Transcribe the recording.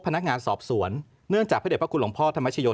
พนักงานสอบสวนเนื่องจากพระเด็จพระคุณหลวงพ่อธรรมชโย